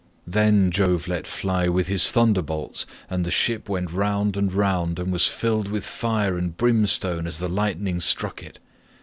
Then Jove let fly with his thunderbolts and the ship went round and round and was filled with fire and brimstone as the lightning struck it.